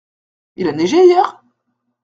Il a neigé hier ?